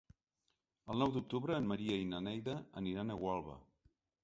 El nou d'octubre en Maria i na Neida aniran a Gualba.